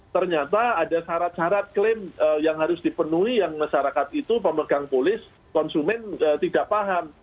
ternyata ada syarat syarat klaim yang harus dipenuhi yang masyarakat itu pemegang polis konsumen tidak paham